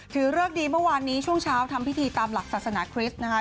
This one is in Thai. เริกดีเมื่อวานนี้ช่วงเช้าทำพิธีตามหลักศาสนาคริสต์นะคะ